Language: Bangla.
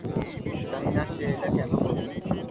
জানি না সে এটা কেন করলো?